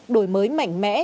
đổi mới mạnh mẽ